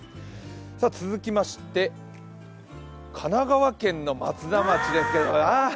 続きまして神奈川県の松田町です。